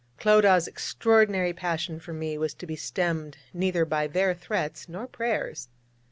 But Clodagh's extraordinary passion for me was to be stemmed neither by their threats nor prayers.